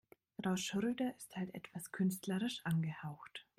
Frau Schröder ist halt etwas künstlerisch angehaucht.